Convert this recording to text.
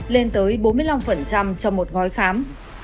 lên tới bốn mươi năm cho một gói khám